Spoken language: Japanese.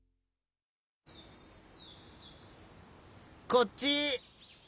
こっち！